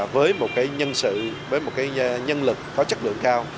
với một nhân sự với một nhân lực có chất lượng cao